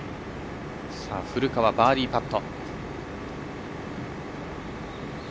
古川、バーディーパット。